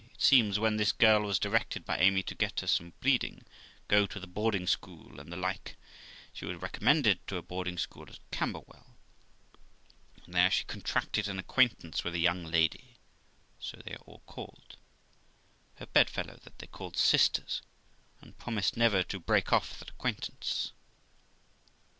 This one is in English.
It seems, when this girl was directed by Amy to get her some breeding, go to the boarding school, and the like, she was recommended to a boarding school at Camberwell, and there she contracted an acquaintance with a young lady ( so they are all called ), her bedfellow, that they called sisters, and promised never to break off their acquaintance.